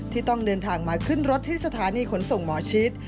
ที่ต้องเดินทางมาขึ้นรถที่สถานีขนส่งหมอชิด